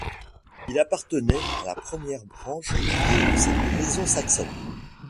Il appartenait à la première branche de cette Maison saxonne.